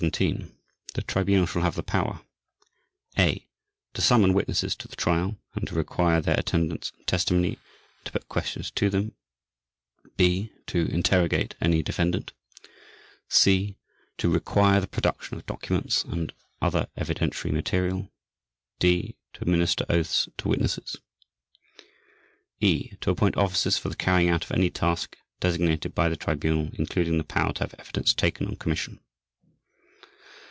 _ The Tribunal shall have the power: (a) to summon witnesses to the Trial and to require their attendance and testimony and to put questions to them, (b) to interrogate any defendant, (c) to require the production of documents and other evidentiary material, (d) to administer oaths to witnesses, (e) to appoint officers for the carrying out of any task designated by the Tribunal including the power to have evidence taken on commission.